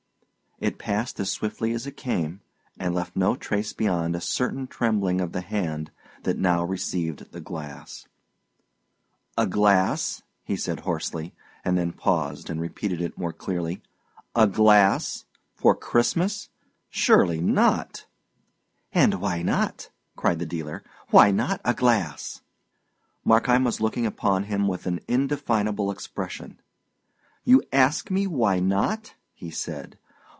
It passed as swiftly as it came, and left no trace beyond a certain trembling of the hand that now received the glass. "A glass," he said hoarsely, and then paused, and repeated it more clearly. "A glass? For Christmas? Surely not?" "And why not?" cried the dealer. "Why not a glass?" Markheim was looking upon him with an indefinable expression. "You ask me why not?" he said.